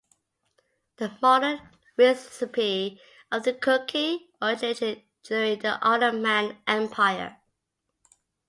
The modern recipe of the cookie originated during the Ottoman Empire.